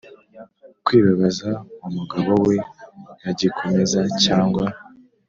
Kwibabaza umugabo we yagikomeza cyangwa